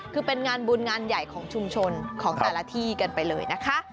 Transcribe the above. คือเป็นงานบุญงานใหญ่ของชุมชนของแต่ละที่กันไปเลยนะคะ